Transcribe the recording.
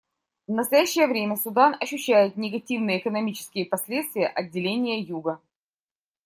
В настоящее время Судан ощущает негативные экономические последствия отделения Юга.